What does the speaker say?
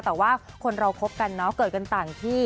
แต่ว่าคนเราคบกันเนาะเกิดกันต่างที่